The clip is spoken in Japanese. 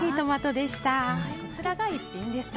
こちらが逸品でした。